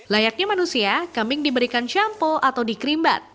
layaknya manusia kambing diberikan shampo atau dikrimbat